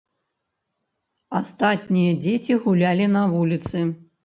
Астатнія дзеці гулялі на вуліцы.